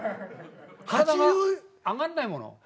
体が上がんないもの。